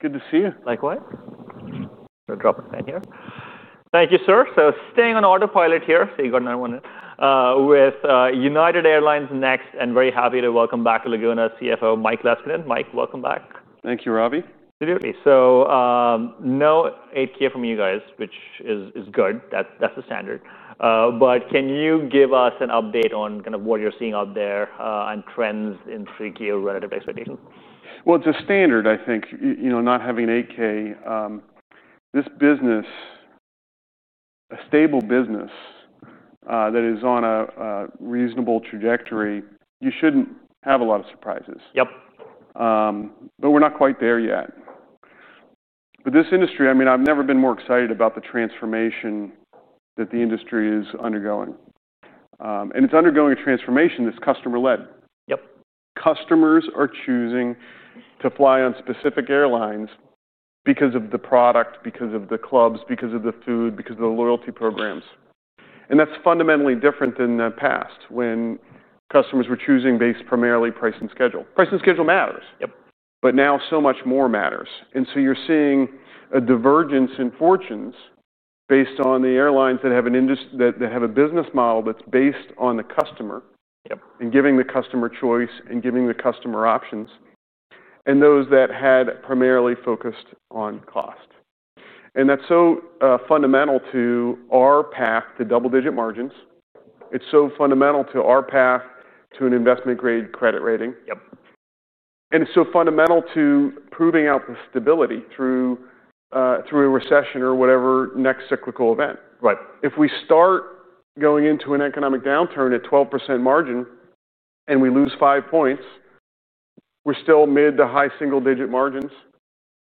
Good to see you. Likewise. I'm going to drop a fan here. Thank you, sir. Staying on autopilot here, you got another one with United Airlines next. Very happy to welcome back to Laguna, CFO Mike Leskinen. Mike, welcome back. Thank you, Ravi. Absolutely. No 8-K from you guys, which is good. That's the standard. Can you give us an update on what you're seeing out there, and trends in 3K relative to expectations? It's a standard, I think, you know, not having 8-K. This business, a stable business, that is on a reasonable trajectory, you shouldn't have a lot of surprises. Yep. We're not quite there yet. This industry, I mean, I've never been more excited about the transformation that the industry is undergoing, and it's undergoing a transformation that's customer-led. Yep. Customers are choosing to fly on specific airlines because of the product, because of the clubs, because of the food, because of the loyalty programs. That's fundamentally different than in the past when customers were choosing based primarily on price and schedule. Price and schedule matters. Yep. Now so much more matters, and you're seeing a divergence in fortunes based on the airlines that have an industry that have a business model that's based on the customer. Yep. Giving the customer choice and giving the customer options, and those that had primarily focused on cost, is so fundamental to our path to double-digit margins. It is so fundamental to our path to an investment-grade credit rating. Yep. It is so fundamental to proving out the stability through a recession or whatever next cyclical event. Right. If we start going into an economic downturn at 12% margin and we lose five points, we're still mid to high single-digit margins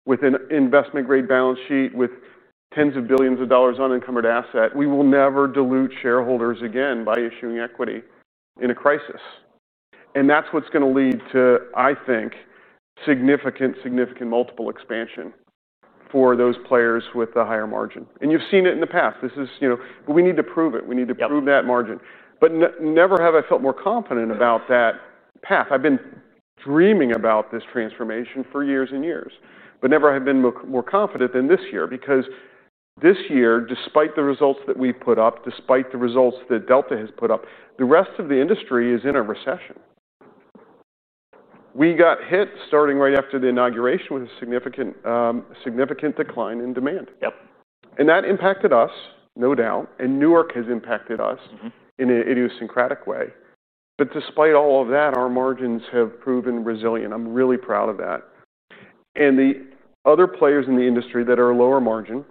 with an investment-grade balance sheet with tens of billions of dollars on unencumbered asset. We will never dilute shareholders again by issuing equity in a crisis. That's what's going to lead to, I think, significant, significant multiple expansion for those players with a higher margin. You've seen it in the past. This is, you know, we need to prove it. We need to prove that margin. Never have I felt more confident about that path. I've been dreaming about this transformation for years and years, never have been more confident than this year because this year, despite the results that we put up, despite the results that Delta has put up, the rest of the industry is in a recession. We got hit starting right after the inauguration with a significant, significant decline in demand. Yep. That impacted us, no doubt. Newark has impacted us in an idiosyncratic way. Despite all of that, our margins have proven resilient. I'm really proud of that. The other players in the industry that are lower margin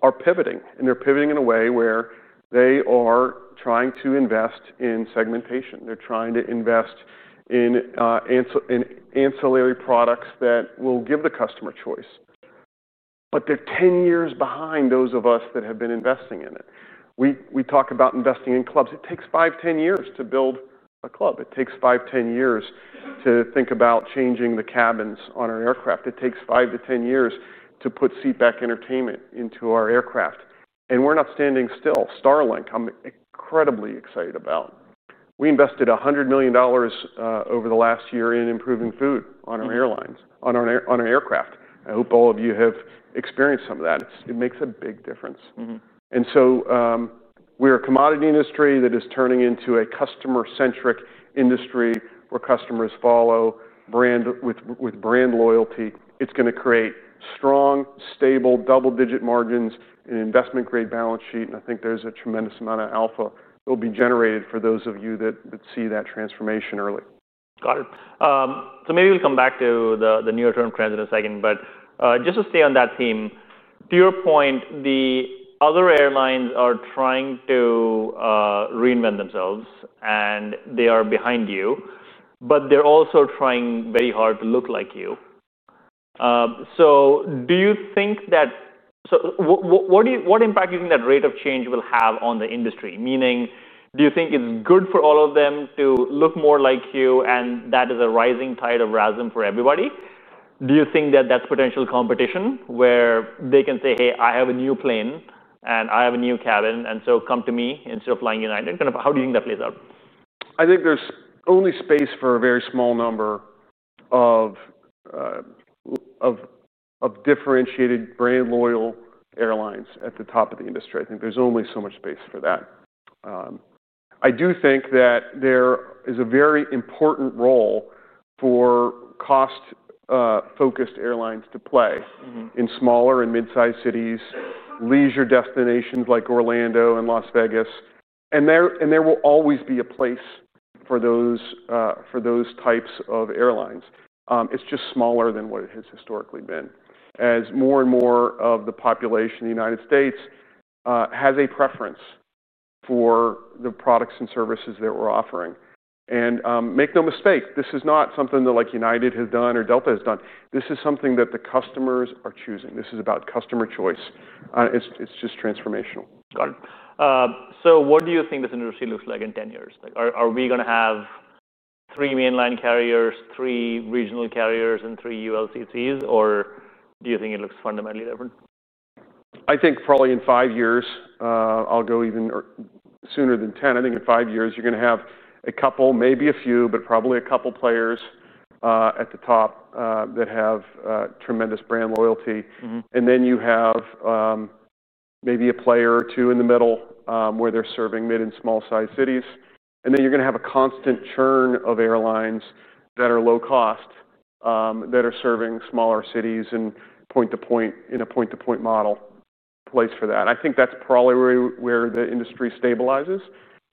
are pivoting. They're pivoting in a way where they are trying to invest in segmentation. They're trying to invest in ancillary products that will give the customer choice. They're 10 years behind those of us that have been investing in it. We talk about investing in clubs. It takes five to 10 years to build a club. It takes five to 10 years to think about changing the cabins on our aircraft. It takes five to 10 years to put seatback entertainment into our aircraft. We're not standing still. Starlink, I'm incredibly excited about. We invested $100 million over the last year in improving food on our airlines, on our aircraft. I hope all of you have experienced some of that. It makes a big difference. We're a commodity industry that is turning into a customer-centric industry where customers follow brand with brand loyalty. It's going to create strong, stable, double-digit margins and investment-grade balance sheet. I think there's a tremendous amount of alpha that will be generated for those of you that see that transformation early. Got it. Maybe we'll come back to the near-term trends in a second. Just to stay on that theme, to your point, the other airlines are trying to reinvent themselves. They are behind you, but they're also trying very hard to look like you. Do you think that, what impact do you think that rate of change will have on the industry? Meaning, do you think it's good for all of them to look more like you and that is a rising tide of rhythm for everybody? Do you think that that's potential competition where they can say, hey, I have a new plane and I have a new cabin, so come to me instead of flying United? How do you think that plays out? I think there's only space for a very small number of differentiated brand-loyal airlines at the top of the industry. I think there's only so much space for that. I do think that there is a very important role for cost-focused airlines to play in smaller and mid-sized cities, leisure destinations like Orlando and Las Vegas. There will always be a place for those types of airlines. It's just smaller than what it has historically been, as more and more of the population in the U.S. has a preference for the products and services that we're offering. Make no mistake, this is not something that like United has done or Delta has done. This is something that the customers are choosing. This is about customer choice. It's just transformational. Got it. What do you think this industry looks like in 10 years? Are we going to have three mainline carriers, three regional carriers, and three ULCCs? Do you think it looks fundamentally different? I think probably in five years, I'll go even sooner than 10. I think in five years, you're going to have a couple, maybe a few, but probably a couple players at the top that have tremendous brand loyalty. You have maybe a player or two in the middle where they're serving mid and small-sized cities. You're going to have a constant churn of airlines that are low cost, that are serving smaller cities and in a point-to-point model place for that. I think that's probably where the industry stabilizes.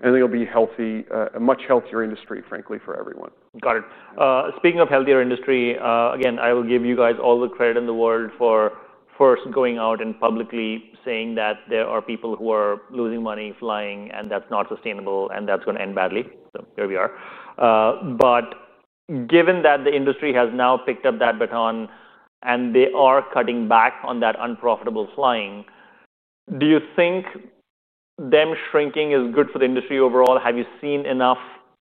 It'll be a much healthier industry, frankly, for everyone. Got it. Speaking of healthier industry, again, I will give you guys all the credit in the world for first going out and publicly saying that there are people who are losing money flying, and that's not sustainable, and that's going to end badly. Here we are. Given that the industry has now picked up that baton and they are cutting back on that unprofitable flying, do you think them shrinking is good for the industry overall? Have you seen enough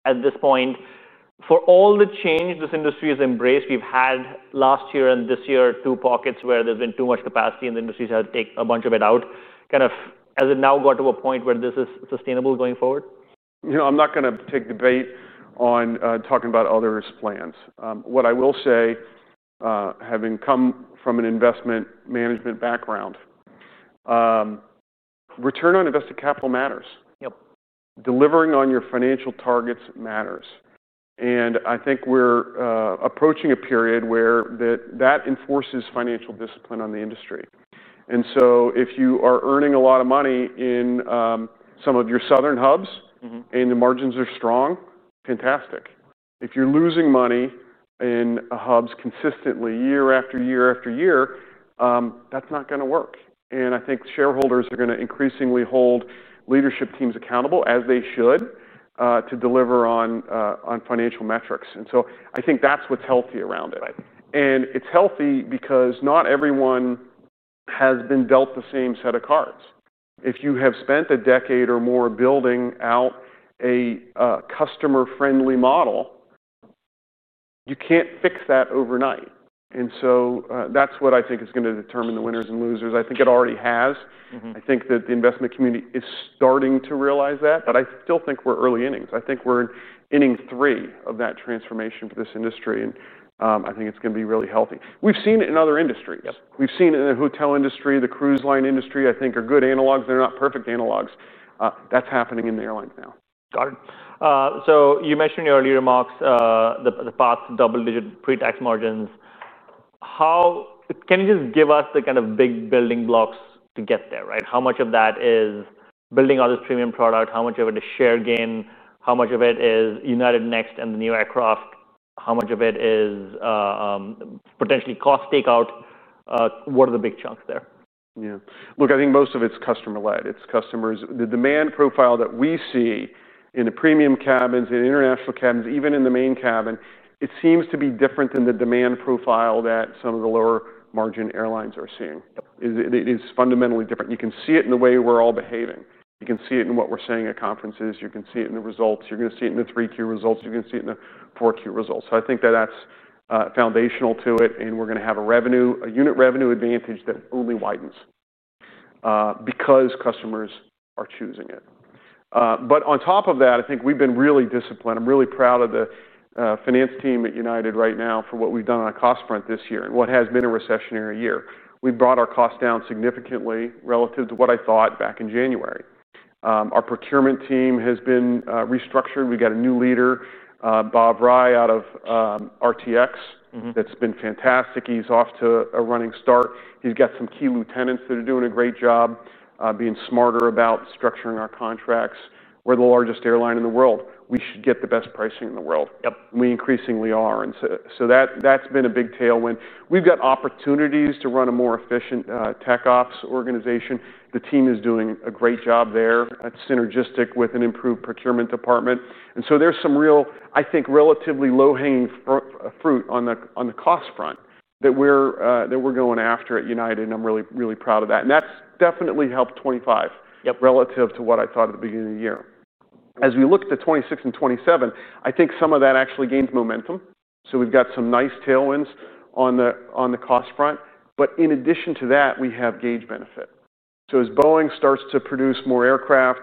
at this point? For all the change this industry has embraced, we've had last year and this year two pockets where there's been too much capacity and the industry has had to take a bunch of it out. Has it now got to a point where this is sustainable going forward? You know, I'm not going to take the bait on talking about others' plans. What I will say, having come from an investment management background, return on invested capital matters. Yep. Delivering on your financial targets matters. I think we're approaching a period where that enforces financial discipline on the industry. If you are earning a lot of money in some of your southern hubs and the margins are strong, fantastic. If you're losing money in hubs consistently year after year after year, that's not going to work. I think shareholders are going to increasingly hold leadership teams accountable, as they should, to deliver on financial metrics. I think that's what's healthy around it. It's healthy because not everyone has been dealt the same set of cards. If you have spent a decade or more building out a customer-friendly model, you can't fix that overnight. That's what I think is going to determine the winners and losers. I think it already has. I think that the investment community is starting to realize that. I still think we're early innings. I think we're in inning three of that transformation for this industry. I think it's going to be really healthy. We've seen it in other industries. Yep. We've seen it in the hotel industry, the cruise line industry, I think, are good analogs. They're not perfect analogs. That's happening in the airlines now. Got it. You mentioned in your early remarks, the path to double-digit pre-tax margins. Can you just give us the kind of big building blocks to get there, right? How much of that is building on this premium product? How much of it is share gain? How much of it is United Next and the new aircraft? How much of it is potentially cost takeout? What are the big chunks there? Yeah. Look, I think most of it's customer-led. It's customers. The demand profile that we see in the premium cabins, in international cabins, even in the main cabin, it seems to be different than the demand profile that some of the lower margin airlines are seeing. It is fundamentally different. You can see it in the way we're all behaving. You can see it in what we're saying at conferences. You can see it in the results. You're going to see it in the 3Q results. You're going to see it in the 4Q results. I think that that's foundational to it. We're going to have a revenue, a unit revenue advantage that only widens because customers are choosing it. On top of that, I think we've been really disciplined. I'm really proud of the finance team at United Airlines right now for what we've done on a cost front this year and what has been a recessionary year. We brought our cost down significantly relative to what I thought back in January. Our procurement team has been restructured. We got a new leader, Bob Rye out of RTX. That's been fantastic. He's off to a running start. He's got some key lieutenants that are doing a great job being smarter about structuring our contracts. We're the largest airline in the world. We should get the best pricing in the world. Yep. We increasingly are. That's been a big tailwind. We've got opportunities to run a more efficient tech ops organization. The team is doing a great job there. It is synergistic with an improved procurement department. There is some real, I think, relatively low-hanging fruit on the cost front that we're going after at United Airlines. I'm really, really proud of that. That has definitely helped 2025 relative to what I thought at the beginning of the year. As we look at 2026 and 2027, I think some of that actually gained momentum. We've got some nice tailwinds on the cost front. In addition to that, we have gauge benefit. As Boeing starts to produce more aircraft,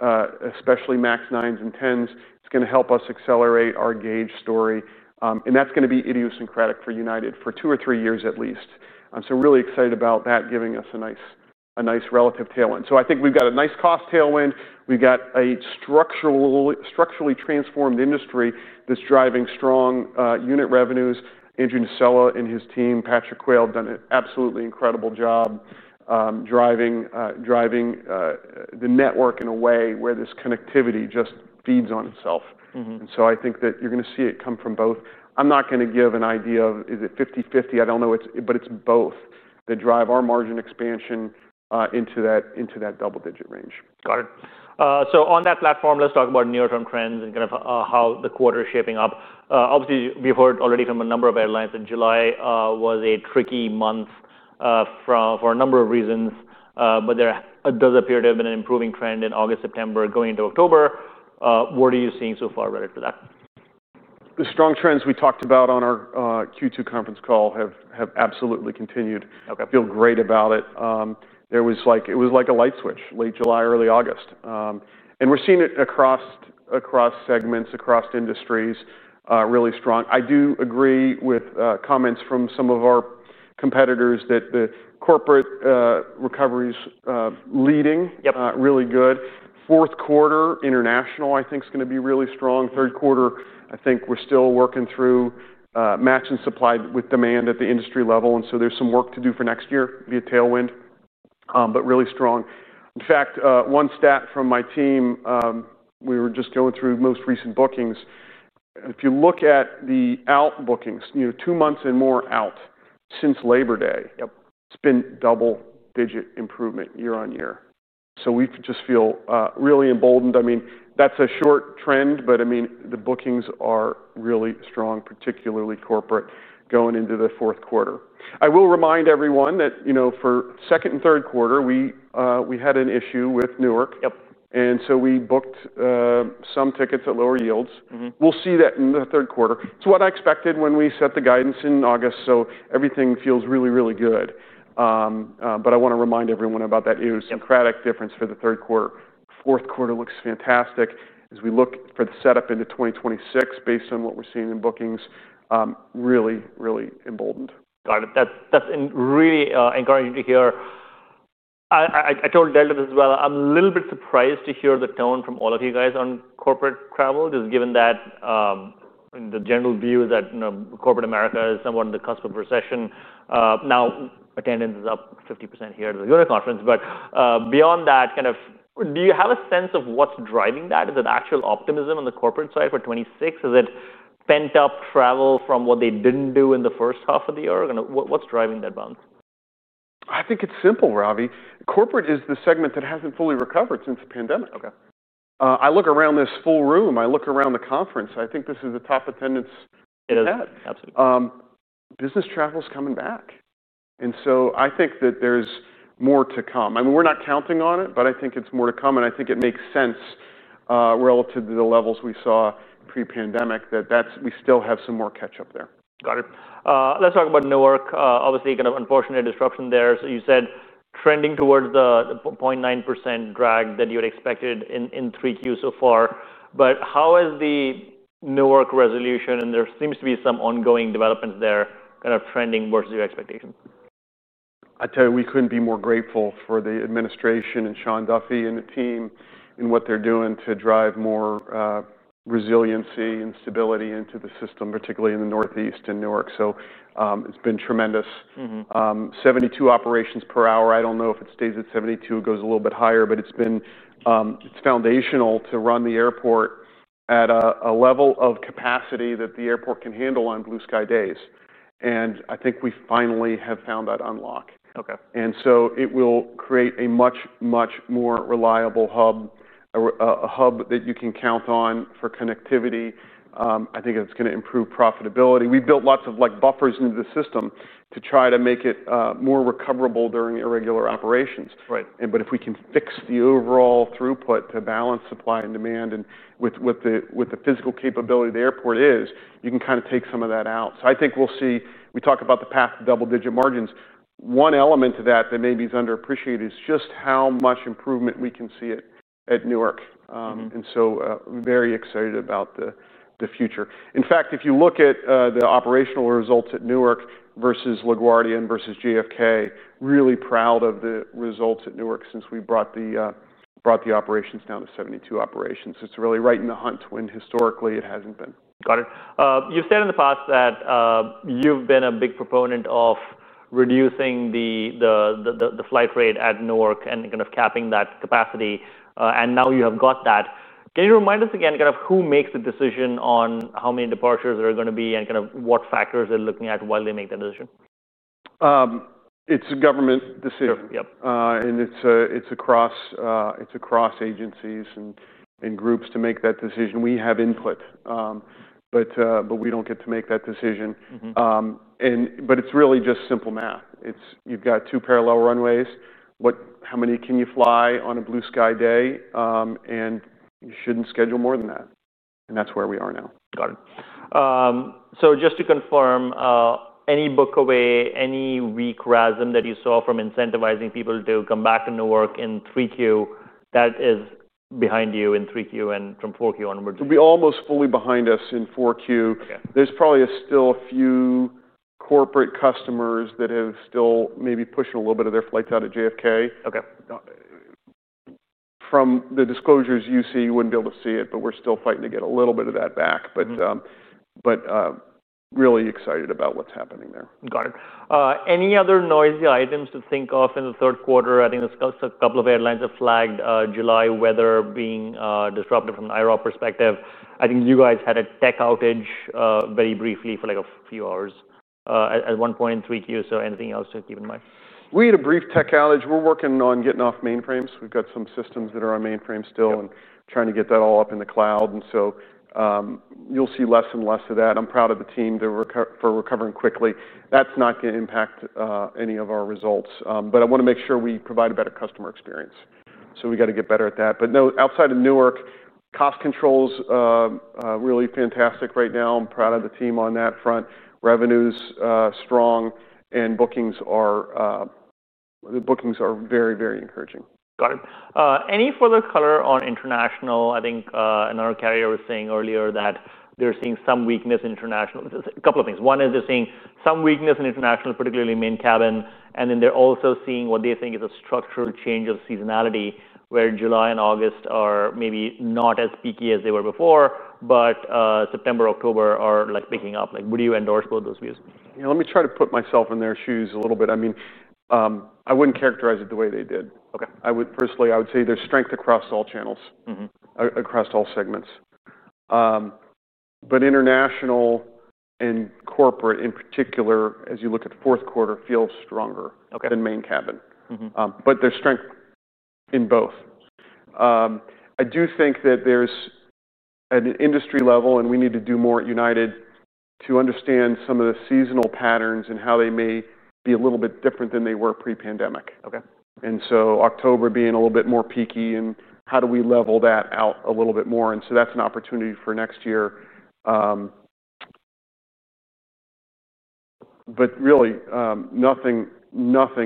especially MAX 9s and 10s, it's going to help us accelerate our gauge story. That is going to be idiosyncratic for United for two or three years at least. I'm really excited about that giving us a nice relative tailwind. I think we've got a nice cost tailwind. We've got a structurally transformed industry that's driving strong unit revenues. Andrew Nocella and his team, Patrick Quayle, have done an absolutely incredible job driving the network in a way where this connectivity just feeds on itself. I think that you're going to see it come from both. I'm not going to give an idea of is it 50/50. I don't know. It is both that drive our margin expansion into that double-digit range. Got it. On that platform, let's talk about near-term trends and kind of how the quarter is shaping up. Obviously, we've heard already from a number of airlines that July was a tricky month for a number of reasons. There does appear to have been an improving trend in August, September, going into October. What are you seeing so far related to that? The strong trends we talked about on our Q2 conference call have absolutely continued. I feel great about it. It was like a light switch late July, early August. We're seeing it across segments, across industries, really strong. I do agree with comments from some of our competitors that the corporate recovery is leading, really good. Fourth quarter international, I think, is going to be really strong. Third quarter, I think we're still working through matching supply with demand at the industry level. There's some work to do for next year via tailwind. Really strong. In fact, one stat from my team, we were just going through most recent bookings. If you look at the out bookings, two months and more out since Labor Day, it's been double-digit improvement year on year. We just feel really emboldened. That's a short trend. The bookings are really strong, particularly corporate going into the fourth quarter. I will remind everyone that, you know, for second and third quarter, we had an issue with Newark. Yep. We booked some tickets at lower yields. We'll see that in the third quarter. It's what I expected when we set the guidance in August. Everything feels really, really good. I want to remind everyone about that idiosyncratic difference for the third quarter. The fourth quarter looks fantastic. As we look for the setup into 2026, based on what we're seeing in bookings, really, really emboldened. Got it. That's really encouraging to hear. I told Delta as well, I'm a little bit surprised to hear the tone from all of you guys on corporate travel, just given that the general view is that corporate America is somewhat on the cusp of recession. Now, attendance is up 50% here at the Laguna Conference. Beyond that, do you have a sense of what's driving that? Is it actual optimism on the corporate side for 2026? Is it pent-up travel from what they didn't do in the first half of the year? What's driving that bounce? I think it's simple, Ravi. Corporate is the segment that hasn't fully recovered since the pandemic. OK. I look around this full room. I look around the conference. I think this is the top attendance. It is absolutely. Business travel is coming back, and I think that there's more to come. I mean, we're not counting on it, but I think it's more to come. I think it makes sense relative to the levels we saw pre-pandemic that we still have some more catch-up there. Got it. Let's talk about Newark. Obviously, kind of unfortunate disruption there. You said trending towards the 0.9% drag that you had expected in 3Q so far. How is the Newark resolution? There seems to be some ongoing developments there, kind of trending versus your expectations. I tell you, we couldn't be more grateful for the administration and Sean Duffy and the team and what they're doing to drive more resiliency and stability into the system, particularly in the Northeast and Newark. It's been tremendous. 72 operations per hour. I don't know if it stays at 72. It goes a little bit higher. It's foundational to run the airport at a level of capacity that the airport can handle on blue-sky days. I think we finally have found that unlock. OK. It will create a much, much more reliable hub, a hub that you can count on for connectivity. I think it's going to improve profitability. We built lots of buffers into the system to try to make it more recoverable during irregular operations. Right. If we can fix the overall throughput to balance supply and demand and with the physical capability the airport is, you can kind of take some of that out. I think we'll see. We talk about the path to double-digit margins. One element to that that maybe is underappreciated is just how much improvement we can see at Newark. I'm very excited about the future. In fact, if you look at the operational results at Newark versus LaGuardia and versus JFK, really proud of the results at Newark since we brought the operations down to 72 operations. It's really right in the hunt when historically it hasn't been. Got it. You said in the past that you've been a big proponent of reducing the flight rate at Newark and kind of capping that capacity. Now you have got that. Can you remind us again kind of who makes the decision on how many departures there are going to be and what factors they're looking at while they make that decision? It's a government decision. Yep. It is across agencies and groups to make that decision. We have input, but we don't get to make that decision. It is really just simple math. You've got two parallel runways. How many can you fly on a Blue Sky day? You shouldn't schedule more than that. That is where we are now. Got it. Just to confirm, any book away, any weak rhythm that you saw from incentivizing people to come back to Newark in 3Q, that is behind you in 3Q and from 4Q onwards? It'll be almost fully behind us in 4Q. OK. There's probably still a few corporate customers that have still maybe pushed a little bit of their flights out of JFK. OK. From the disclosures you see, you wouldn't be able to see it. We're still fighting to get a little bit of that back. Really excited about what's happening there. Got it. Any other noisy items to think of in the third quarter? I think a couple of airlines have flagged July weather being disruptive from an IRA perspective. I think you guys had a tech outage very briefly for like a few hours at one point in 3Q. Anything else to keep in mind? We had a brief tech outage. We're working on getting off mainframes. We've got some systems that are on mainframes still and trying to get that all up in the cloud. You will see less and less of that. I'm proud of the team for recovering quickly. That's not going to impact any of our results. I want to make sure we provide a better customer experience. We have to get better at that. Outside of Newark, cost controls are really fantastic right now. I'm proud of the team on that front. Revenues are strong, and bookings are very, very encouraging. Got it. Any further color on international? I think another carrier was saying earlier that they're seeing some weakness in international. One is they're seeing some weakness in international, particularly main cabin. They're also seeing what they think is a structural change of seasonality where July and August are maybe not as peaky as they were before. September and October are picking up. Would you endorse both those views? Yeah, let me try to put myself in their shoes a little bit. I mean, I wouldn't characterize it the way they did. OK. Personally, I would say there's strength across all channels, across all segments. International and corporate in particular, as you look at the fourth quarter, feel stronger than main cabin. There's strength in both. I do think that at an industry level, we need to do more at United to understand some of the seasonal patterns and how they may be a little bit different than they were pre-pandemic. OK. October being a little bit more peaky, and how do we level that out a little bit more? That's an opportunity for next year. Nothing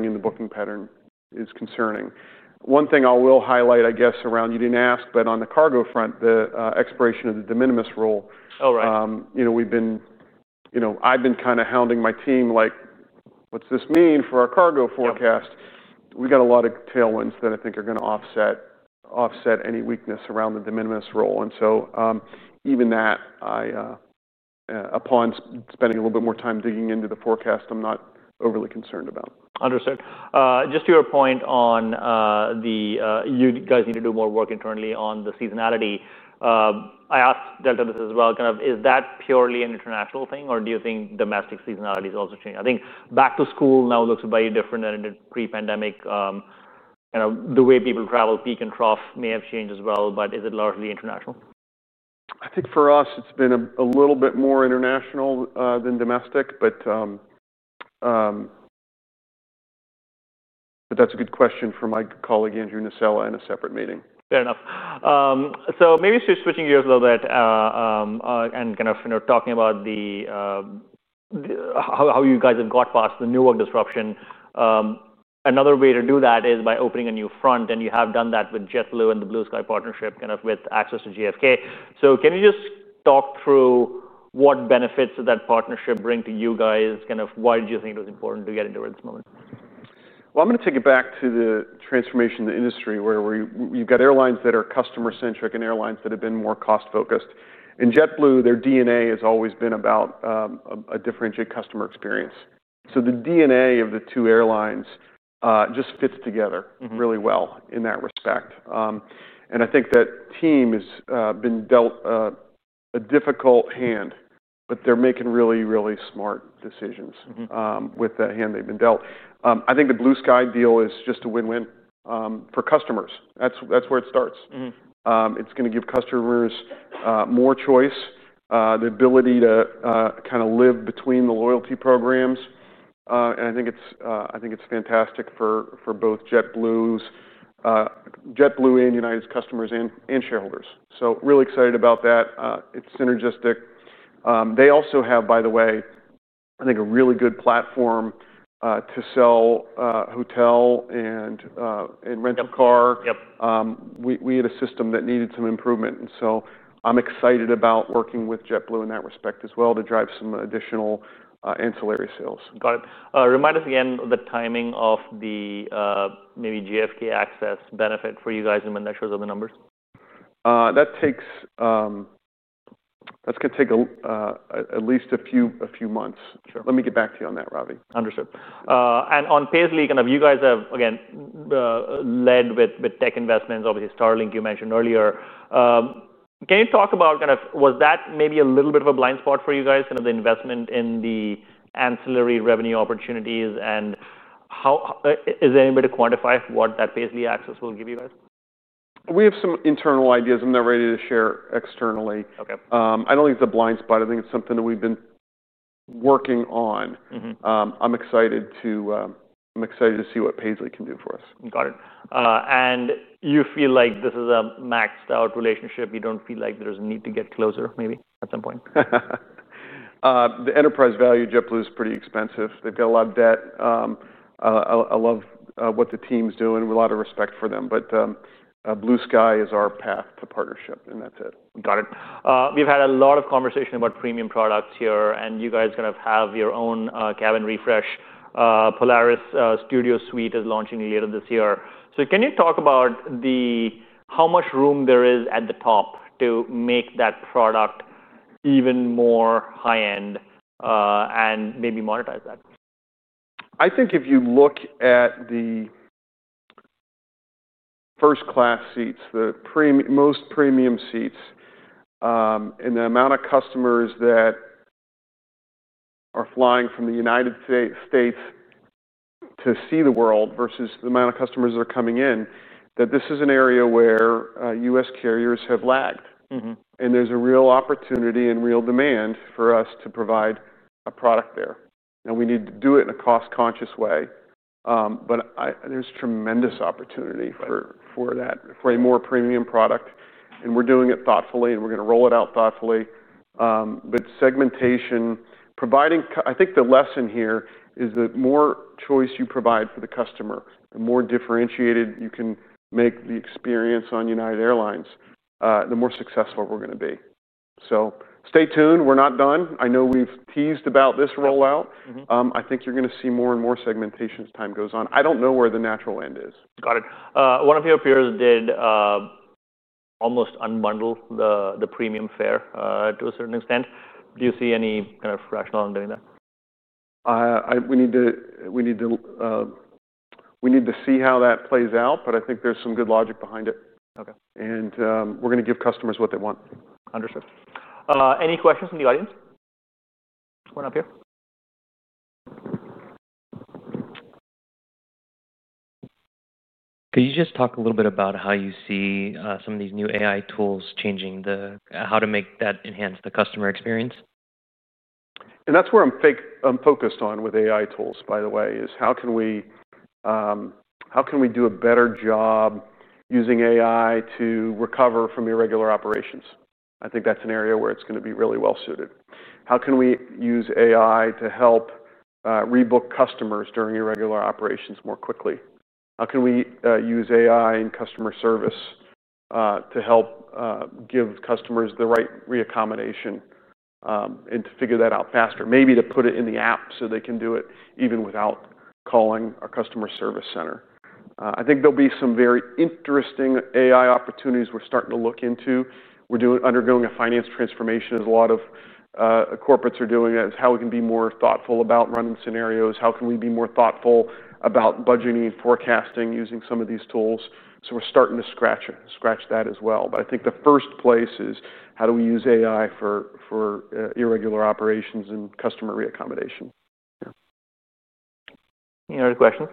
in the booking pattern is concerning. One thing I will highlight, I guess, around you didn't ask, but on the cargo front, the expiration of the de minimis rule. Oh, right. I've been kind of hounding my team, like, what's this mean for our cargo forecast? We got a lot of tailwinds that I think are going to offset any weakness around the de minimis rule. Even that, upon spending a little bit more time digging into the forecast, I'm not overly concerned about. Understood. Just to your point on the you guys need to do more work internally on the seasonality, I asked Delta this as well. Is that purely an international thing? Or do you think domestic seasonality is also changing? I think back to school now looks very different than pre-pandemic. The way people travel, peak and trough may have changed as well. Is it largely international? I think for us, it's been a little bit more international than domestic. That's a good question for my colleague Andrew Nocella in a separate meeting. Fair enough. Maybe just switching gears a little bit and kind of talking about how you guys have got past the Newark disruption. Another way to do that is by opening a new front. You have done that with JetBlue and the Blue Sky partnership, kind of with access to JFK. Can you just talk through what benefits that partnership brings to you guys? Kind of, why did you think it was important to get into it at this moment? I'm going to take it back to the transformation in the industry where you've got airlines that are customer-centric and airlines that have been more cost-focused. JetBlue, their DNA has always been about a differentiated customer experience. The DNA of the two airlines just fits together really well in that respect. I think that team has been dealt a difficult hand. They're making really, really smart decisions with the hand they've been dealt. I think the Blue Sky deal is just a win-win for customers. That's where it starts. It's going to give customers more choice, the ability to kind of live between the loyalty programs. I think it's fantastic for both JetBlue and United's customers and shareholders. Really excited about that. It's synergistic. They also have, by the way, I think a really good platform to sell hotel and rental car. Yep. We had a system that needed some improvement. I'm excited about working with JetBlue in that respect as well to drive some additional ancillary sales. Got it. Remind us again of the timing of the maybe JFK access benefit for you guys and when that shows up in the numbers. That's going to take at least a few months. Sure. Let me get back to you on that, Ravi. Understood. On Paisley, you guys have led with tech investments, obviously Starlink you mentioned earlier. Can you talk about was that maybe a little bit of a blind spot for you guys, the investment in the ancillary revenue opportunities? Is there any way to quantify what that Paisley access will give you guys? We have some internal ideas. I'm not ready to share externally. OK. I don't think it's a blind spot. I think it's something that we've been working on. I'm excited to see what Paisley can do for us. Got it. You feel like this is a maxed-out relationship? You don't feel like there is a need to get closer maybe at some point? The enterprise value of JetBlue is pretty expensive. They've got a lot of debt. I love what the team's doing with a lot of respect for them. Blue Sky is our path to partnership. That's it. Got it. We've had a lot of conversation about premium products here. You guys kind of have your own cabin refresh. Polaris Studio Suite is launching later this year. Can you talk about how much room there is at the top to make that product even more high-end and maybe monetize that? I think if you look at the first-class seats, the most premium seats, and the amount of customers that are flying from the United States to see the world versus the amount of customers that are coming in, this is an area where U.S. carriers have lagged. There is a real opportunity and real demand for us to provide a product there. We need to do it in a cost-conscious way. There is tremendous opportunity for that, for a more premium product. We are doing it thoughtfully, and we are going to roll it out thoughtfully. Segmentation, providing, I think the lesson here is that the more choice you provide for the customer, the more differentiated you can make the experience on United Airlines, the more successful we are going to be. Stay tuned. We are not done. I know we have teased about this rollout. I think you are going to see more and more segmentation as time goes on. I do not know where the natural end is. Got it. One of your peers did almost unbundle the premium fare to a certain extent. Do you see any kind of rationale in doing that? We need to see how that plays out. I think there's some good logic behind it. OK. We are going to give customers what they want. Understood. Any questions from the audience? One up here. Could you just talk a little bit about how you see some of these new AI tools changing how to make that enhance the customer experience? That's where I'm focused on with AI tools, by the way, is how can we do a better job using AI to recover from irregular operations? I think that's an area where it's going to be really well suited. How can we use AI to help rebook customers during irregular operations more quickly? How can we use AI in customer service to help give customers the right reaccommodation and to figure that out faster? Maybe to put it in the app so they can do it even without calling our customer service center. I think there'll be some very interesting AI opportunities we're starting to look into. We're undergoing a finance transformation as a lot of corporates are doing it, is how we can be more thoughtful about running scenarios. How can we be more thoughtful about budgeting and forecasting using some of these tools? We're starting to scratch that as well. I think the first place is how do we use AI for irregular operations and customer reaccommodation? Any other questions?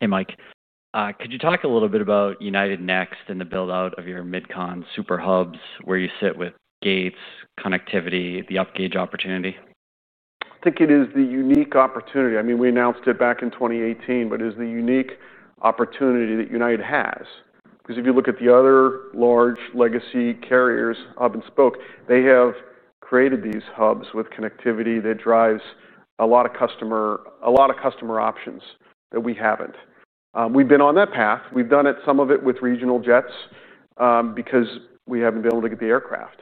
Hey, Mike. Could you talk a little bit about United Next and the build-out of your mid-con super hubs, where you sit with gates, connectivity, the upgauge opportunity? I think it is the unique opportunity. I mean, we announced it back in 2018. It is the unique opportunity that United has. Because if you look at the other large legacy carriers, hub and spoke, they have created these hubs with connectivity that drives a lot of customer options that we haven't. We've been on that path. We've done some of it with regional jets because we haven't been able to get the aircraft.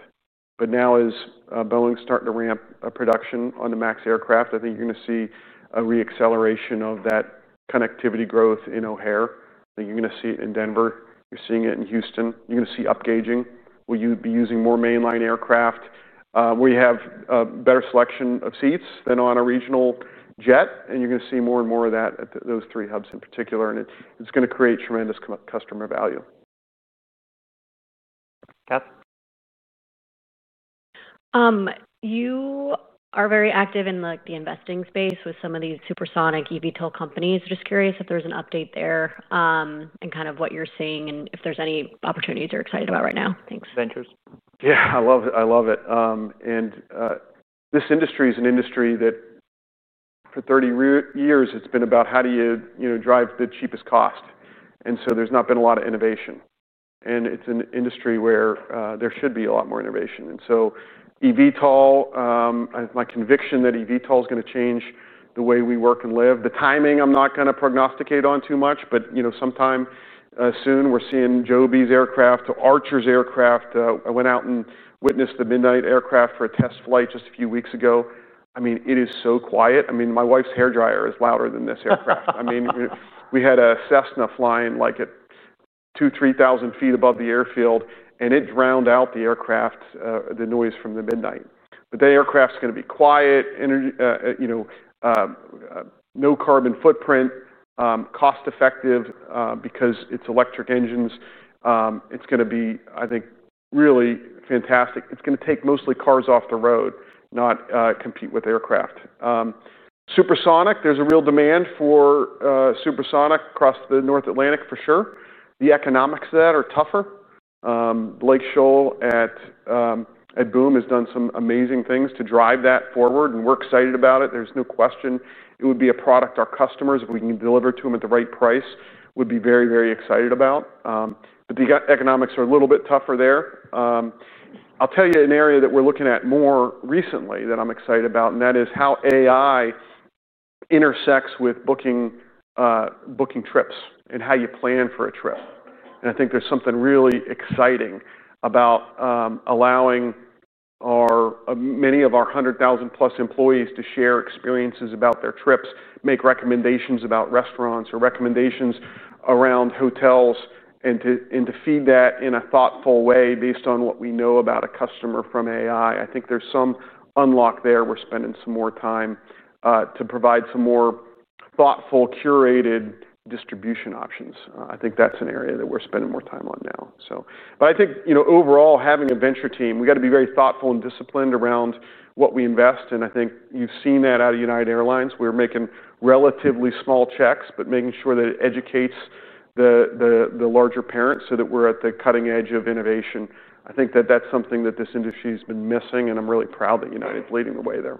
Now as Boeing is starting to ramp production on the Max aircraft, I think you're going to see a reacceleration of that connectivity growth in O'Hare. I think you're going to see it in Denver. You're seeing it in Houston. You're going to see upgauging. You will be using more mainline aircraft. We have a better selection of seats than on a regional jet. You're going to see more and more of that at those three hubs in particular. It's going to create tremendous customer value. Okay. You are very active in the investing space with some of these supersonic eVTOL companies. I'm just curious if there's an update there and kind of what you're seeing and if there's any opportunities you're excited about right now. Thanks. Ventures. Yeah, I love it. This industry is an industry that for 30 years, it's been about how do you drive the cheapest cost. There's not been a lot of innovation. It's an industry where there should be a lot more innovation. eVTOL, my conviction that eVTOL is going to change the way we work and live. The timing, I'm not going to prognosticate on too much. Sometime soon, we're seeing Joby's aircraft to Archer's aircraft. I went out and witnessed the Midnight aircraft for a test flight just a few weeks ago. It is so quiet. My wife's hairdryer is louder than this aircraft. We had a Cessna flying at 2,000, 3,000 feet above the airfield, and it drowned out the aircraft, the noise from the Midnight. That aircraft is going to be quiet, no carbon footprint, cost-effective because it's electric engines. It's going to be, I think, really fantastic. It's going to take mostly cars off the road, not compete with aircraft. Supersonic, there's a real demand for supersonic across the North Atlantic for sure. The economics of that are tougher. Blake Scholl at Boom has done some amazing things to drive that forward. We're excited about it. There's no question. It would be a product our customers, if we can deliver it to them at the right price, would be very, very excited about. The economics are a little bit tougher there. I'll tell you an area that we're looking at more recently that I'm excited about. That is how AI intersects with booking trips and how you plan for a trip. I think there's something really exciting about allowing many of our 100,000+ plus employees to share experiences about their trips, make recommendations about restaurants or recommendations around hotels, and to feed that in a thoughtful way based on what we know about a customer from AI. I think there's some unlock there. We're spending some more time to provide some more thoughtful, curated distribution options. I think that's an area that we're spending more time on now. I think overall, having a venture team, we got to be very thoughtful and disciplined around what we invest. I think you've seen that out of United Airlines. We're making relatively small checks, but making sure that it educates the larger parents so that we're at the cutting edge of innovation. I think that's something that this industry has been missing. I'm really proud that United is leading the way there.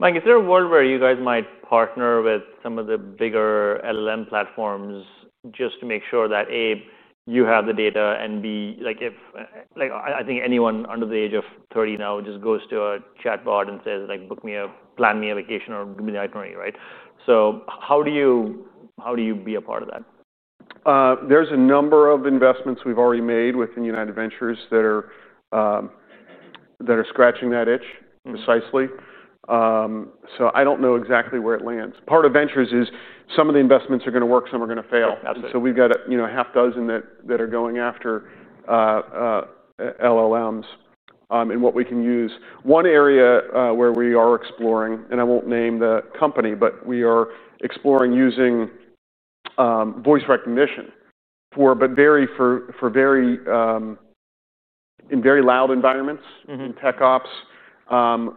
Mike, is there a world where you guys might partner with some of the bigger LLM platforms just to make sure that, A, you have the data and, B, like if I think anyone under the age of 30 now just goes to a chatbot and says, like, book me a, plan me a vacation or give me the itinerary, right? How do you be a part of that? There are a number of investments we've already made within United Ventures that are scratching that itch precisely. I don't know exactly where it lands. Part of Ventures is some of the investments are going to work, some are going to fail. Absolutely. We have a half dozen that are going after LLMs and what we can use. One area where we are exploring, and I won't name the company, is using voice recognition for very loud environments in tech ops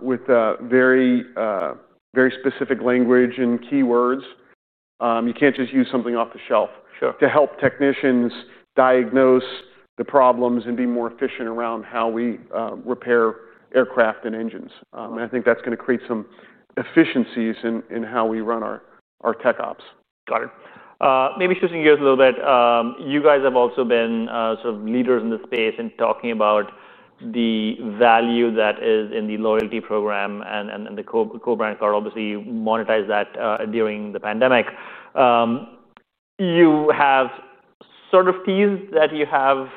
with very specific language and keywords. You can't just use something off the shelf. Sure. To help technicians diagnose the problems and be more efficient around how we repair aircraft and engines, I think that's going to create some efficiencies in how we run our tech ops. Got it. Maybe switching gears a little bit, you guys have also been sort of leaders in the space in talking about the value that is in the loyalty program and the co-brand card. Obviously, you monetized that during the pandemic. You have sort of teased that you have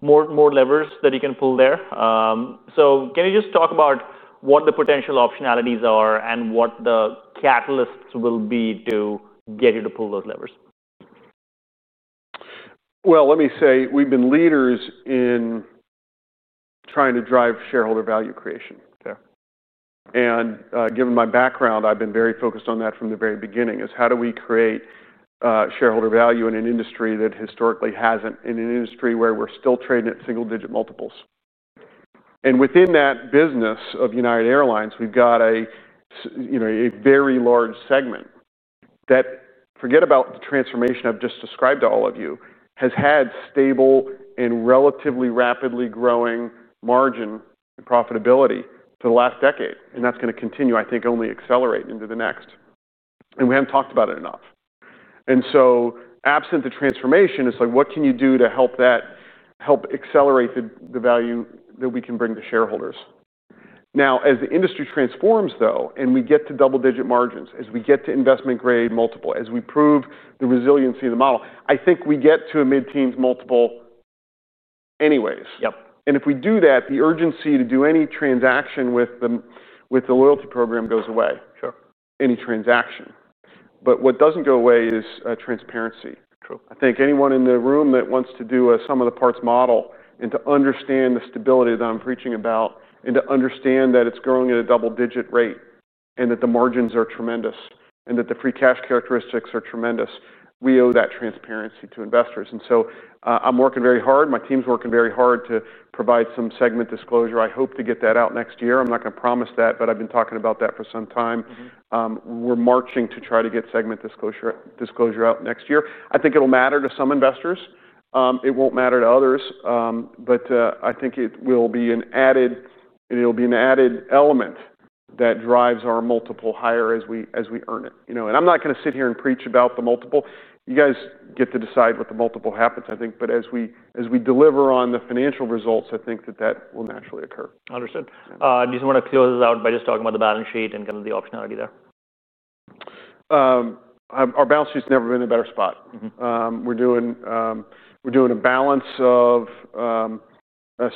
more levers that you can pull there. Can you just talk about what the potential optionalities are and what the catalysts will be to get you to pull those levers? Let me say we've been leaders in trying to drive shareholder value creation. OK. Given my background, I've been very focused on that from the very beginning, which is how do we create shareholder value in an industry that historically hasn't, in an industry where we're still trading at single-digit multiples. Within that business of United Airlines, we've got a very large segment that, forget about the transformation I've just described to all of you, has had stable and relatively rapidly growing margin and profitability for the last decade. That's going to continue, I think, only accelerate into the next. We haven't talked about it enough. Absent the transformation, it's like, what can you do to help that help accelerate the value that we can bring to shareholders? As the industry transforms, though, and we get to double-digit margins, as we get to investment-grade multiple, as we prove the resiliency of the model, I think we get to a mid-teens multiple anyways. Yep. If we do that, the urgency to do any transaction with the loyalty program goes away. Sure. Any transaction, what doesn't go away is transparency. True. I think anyone in the room that wants to do a sum of the parts model and to understand the stability that I'm preaching about and to understand that it's growing at a double-digit rate and that the margins are tremendous and that the free cash characteristics are tremendous, we owe that transparency to investors. I'm working very hard. My team's working very hard to provide some segment disclosure. I hope to get that out next year. I'm not going to promise that. I've been talking about that for some time. We're marching to try to get segment disclosure out next year. I think it'll matter to some investors. It won't matter to others. I think it will be an added element that drives our multiple higher as we earn it. I'm not going to sit here and preach about the multiple. You guys get to decide what the multiple happens, I think. As we deliver on the financial results, I think that that will naturally occur. Understood. Do you just want to close this out by just talking about the balance sheet and kind of the optionality there? Our balance sheet's never been in a better spot. We're doing a balance of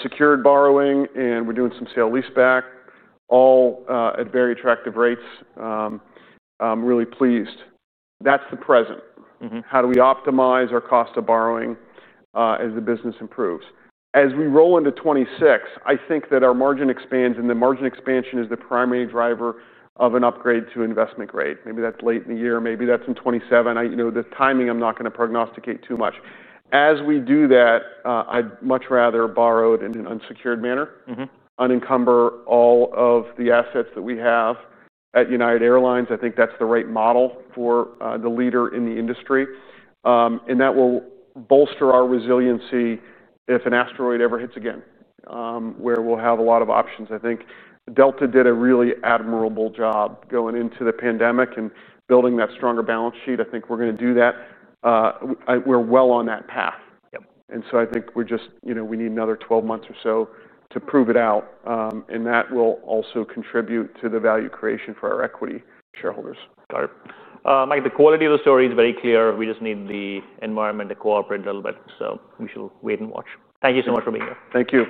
secured borrowing, and we're doing some sale leaseback, all at very attractive rates. I'm really pleased. That's the present. How do we optimize our cost of borrowing as the business improves? As we roll into 2026, I think that our margin expands, and the margin expansion is the primary driver of an upgrade to investment grade. Maybe that's late in the year, maybe that's in 2027. The timing, I'm not going to prognosticate too much. As we do that, I'd much rather borrow it in an unsecured manner, unencumber all of the assets that we have at United Airlines. I think that's the right model for the leader in the industry. That will bolster our resiliency if an asteroid ever hits again, where we'll have a lot of options. I think Delta did a really admirable job going into the pandemic and building that stronger balance sheet. I think we're going to do that. We're well on that path. Yep. I think we're just, you know, we need another 12 months or so to prove it out. That will also contribute to the value creation for our equity shareholders. Got it. Mike, the quality of the story is very clear. We just need the environment to cooperate a little bit. We shall wait and watch. Thank you so much for being here. Thank you.